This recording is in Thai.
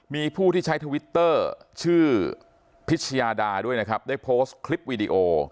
มีผู้ที่ใช้ทวิตเตอร์ชื่อพิชยาดาด้วยนะครับได้โพสต์คลิปวิดีโอ